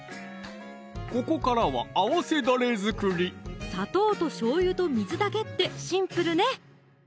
ここからは合わせだれ作り砂糖としょうゆと水だけってシンプルね！